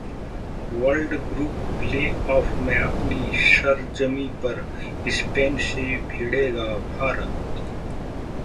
world group play off में अपनी सरजमीं पर स्पेन से भिड़ेगा भारत